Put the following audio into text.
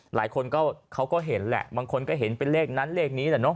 หลายคนก็เขาก็เห็นแหละบางคนก็เห็นเป็นเลขนั้นเลขนี้แหละเนอ